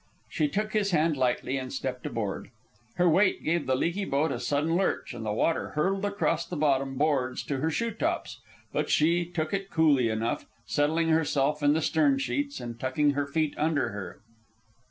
She took his hand lightly and stepped aboard. Her weight gave the leaky boat a sudden lurch, and the water hurtled across the bottom boards to her shoe tops: but she took it coolly enough, settling herself in the stern sheets and tucking her feet under her.